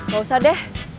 gak usah deh